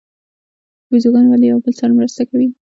بیزوګان ولې یو بل سره مرسته کوي؟